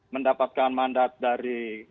mendapatkan mandat dari